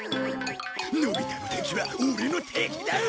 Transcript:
のび太の敵はオレの敵だ！